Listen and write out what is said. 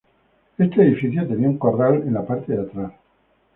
Este edificio tenía un corral en la parte de atrás.